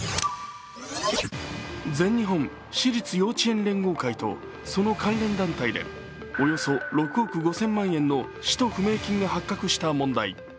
全日本私立幼稚園連合会とその関連団体でおよそ６億５０００万円の使途不明金が発覚した問題。